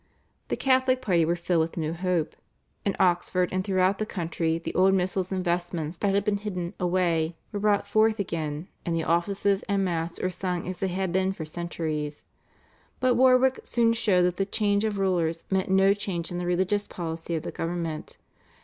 The Catholic party were filled with new hope; in Oxford and throughout the country the old missals and vestments that had been hidden away were brought forth again, and the offices and Mass were sung as they had been for centuries. But Warwick soon showed that the change of rulers meant no change in the religious policy of the government.